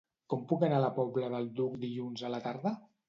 Com puc anar a la Pobla del Duc dilluns a la tarda?